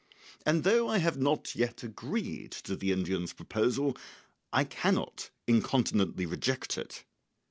And though I have not yet agreed to the Indian's proposal, I cannot incontinently reject it.